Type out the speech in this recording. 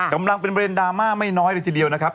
กำลังเป็นประเด็นดราม่าไม่น้อยเลยทีเดียวนะครับ